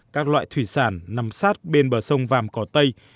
các loại thủy sản nằm sát bên bờ sông vàm cỏ tây